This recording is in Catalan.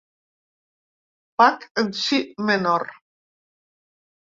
Bach en Si Menor.